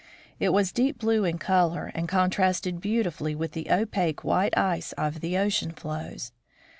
It was deep blue in color and contrasted beautifully with the opaque white ice of the ocean floes.